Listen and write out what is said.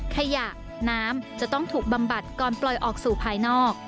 ขยะน้ำจะต้องถูกบำบัดก่อนปล่อยออกสู่ภายนอก